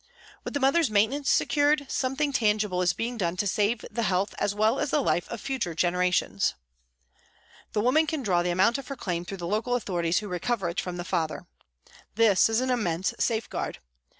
With the mother's maintenance secured, something tangible is being done to save the health as well as the life of future generations. The woman can draw the amount of her claim through the local authorities who recover it from the father. This is an immense safeguard.